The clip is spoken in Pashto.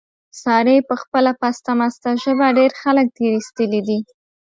سارې په خپله پسته مسته ژبه، ډېر خلک تېر ایستلي دي.